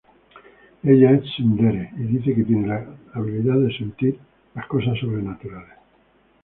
Ella es "tsundere" y dice que tiene la habilidad de sentir las cosas sobrenaturales.